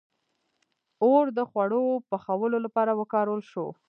• اور د خوړو پخولو لپاره وکارول شو.